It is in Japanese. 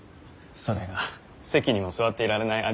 それが席にも座っていられないありさまで。